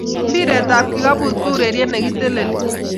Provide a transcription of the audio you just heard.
mpiret ap kikaput ko ureriet nekiteleli